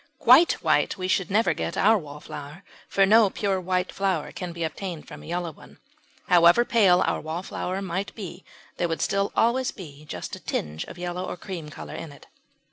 Quite white we should never get our Wallflower, for no pure white flower can be obtained from a yellow one. However pale our Wallflower might be there would still always be just a tinge of yellow or cream colour in it.